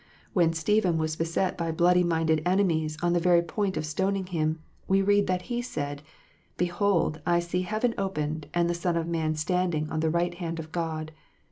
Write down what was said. When Stephen was beset by bloody minded enemies on the very point of stoning him, we read that he said, " Behold, I see heaven opened, and the Son of man standing on the right hand of God."